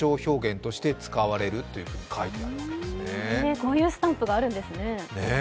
こういうスタンプがあるんですね。